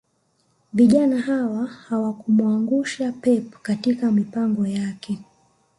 Vijana hawa hawakumuangusha pep katika mipango yake